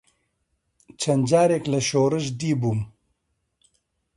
چەند جارێک لە شۆڕش دیبووم.